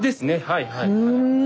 はいはい。